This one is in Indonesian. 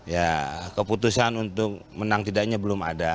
ya keputusan untuk menang tidaknya belum ada